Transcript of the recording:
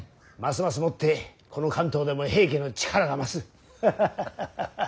ますますもってこの関東でも平家の力が増す。